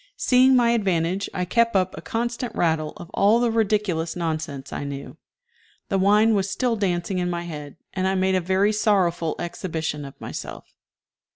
Seeing my advantage, I kept up a constant rattle of all the ridiculous nonsense I knew. The wine was still dancing in my head, and I made a very sorrowful exhibition of myself.